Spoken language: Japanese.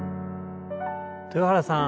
豊原さん